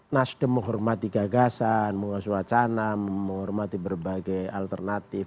nasdem menghormati gagasan menguasai wacana menghormati berbagai alternatif